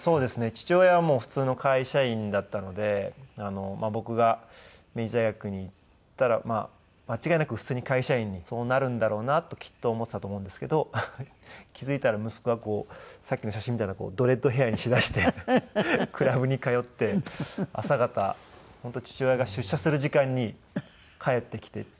父親はもう普通の会社員だったので僕が明治大学に行ったら間違いなく普通に会社員にそうなるんだろうなときっと思っていたと思うんですけど気付いたら息子がさっきの写真みたいなドレッドヘアにしだしてクラブに通って朝方本当父親が出社する時間に帰ってきてっていう。